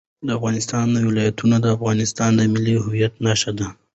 د افغانستان ولايتونه د افغانستان د ملي هویت نښه ده.